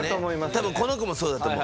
多分この子もそうだと思う。